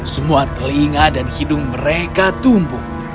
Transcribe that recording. semua telinga dan hidung mereka tumbuh